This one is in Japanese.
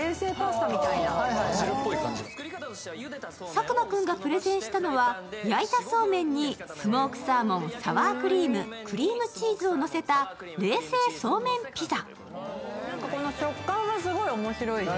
佐久間君がプレゼンしたのは焼いたそうめんにスモークサーモン、サワークリームクリームチーズをのせた冷製そうめんピザ。